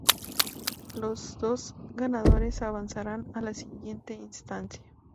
Los dos ganadores avanzarán a la siguiente instancia.